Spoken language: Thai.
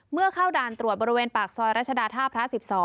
เข้าด่านตรวจบริเวณปากซอยรัชดาท่าพระ๑๒